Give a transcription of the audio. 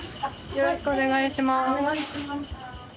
よろしくお願いします。